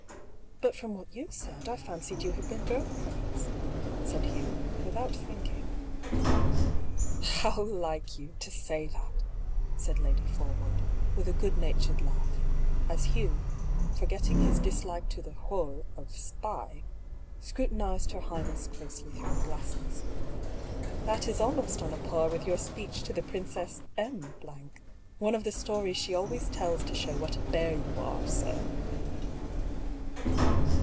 " But, from what you said, I fancied you had been girl friends," said Hugh, without thinking. " How like you, to say that !" said Lady Forwood, with a good natured laugh, as Hugh, forgetting his dislike to the r6le of " spy," scrutinised her highness closely through the glasses. " That is almost on a par with your speech to the Princess M , one of the stories she always tells to show what a bear you are, sir!"